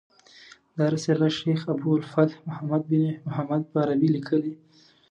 دا رساله شیخ ابو الفتح محمد بن محمد په عربي لیکلې.